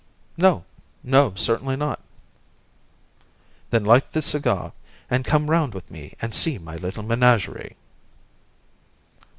"No, no; certainly not." "Then light this cigar and come round with me and see my little menagerie."